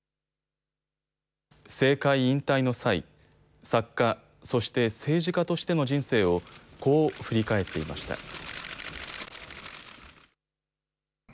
政界引退の際、作家、そして政治家としての人生をこう振り返っていました。